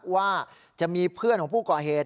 ว่าจะมีเพื่อนของผู้ก่อเหตุ